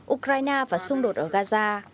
ukraine và xung đột ở gaza